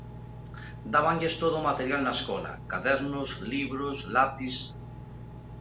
Dábanlles todo o material na escola: cadernos, libros, lapis...